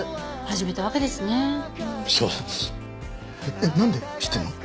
えっなんで知ってるの？